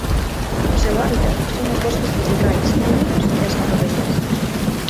O seu hábitat son os bosques tropicais húmidos e as matogueiras.